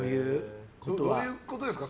どういうことですか？